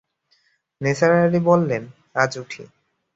নিসার আলি বললেন, আজ উঠি।